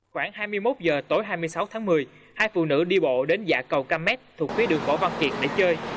khoảng hai mươi một h tối hai mươi sáu tháng một mươi hai phụ nữ đi bộ đến dạ cầu cam met thuộc phía đường võ văn kiệt để chơi